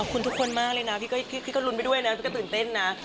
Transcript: ขอบคุณทุกคนมากเลยนะพี่ก็ลุ้นไปด้วยนะพี่ก็ตื่นเต้นนะ